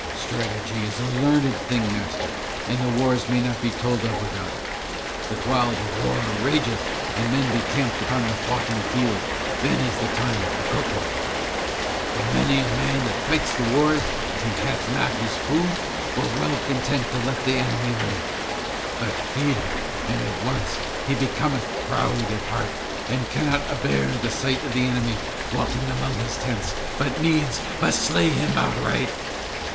Strategy is a learned thing, master, and the wars may not be told of without it, but while the war rageth and men be camped upon the foughten field then is the time for cooking; for many a man that fights the wars, if he hath not his food, were well content to let the enemy live, but feed him and at once he becometh proud at heart and cannot a bear the sight of the enemy walking among his tents but must needs slay him outright.